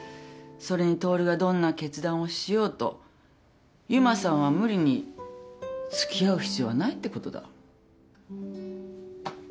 それにトオルがどんな決断をしようと由真さんは無理に付き合う必要はないってことだ。